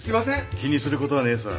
気にすることはねえさ。